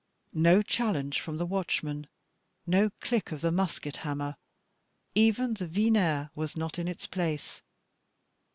No challenge from the watchman, no click of the musket hammer, even the vinea was not in its place.